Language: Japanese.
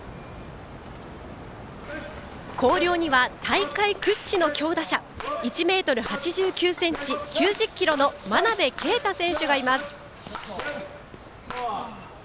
広陵には大会屈指の強打者１ｍ８９ｃｍ、９０ｋｇの真鍋慧選手がいます。